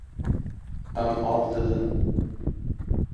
Em av didin.